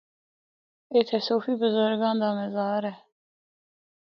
اِتھا صوفی برزگاں دا مزار اے۔